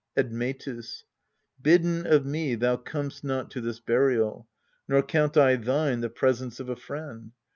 Admetus. Bidden of me thou com'st not to this burial, Nor count I thine the presence of a friend.